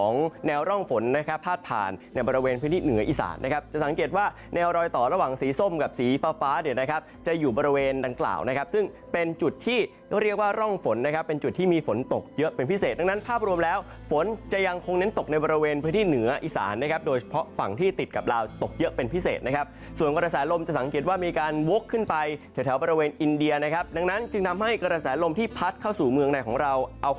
ในบริเวณดังกล่าวนะครับซึ่งเป็นจุดที่เรียกว่าร่องฝนนะครับเป็นจุดที่มีฝนตกเยอะเป็นพิเศษดังนั้นภาพรวมแล้วฝนจะยังคงเน้นตกในบริเวณพื้นที่เหนืออีสานนะครับโดยเพราะฝั่งที่ติดกับราวตกเยอะเป็นพิเศษนะครับส่วนกระแสลมจะสังเกตว่ามีการวกขึ้นไปแถวบริเวณอินเดียนะครั